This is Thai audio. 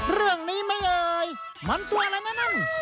เรื่องนี้ไม่เอ่ยมันตัวอะไรนะนั่น